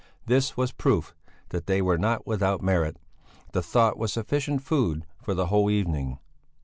This was proof that they were not without merit! The thought was sufficient food for the whole evening.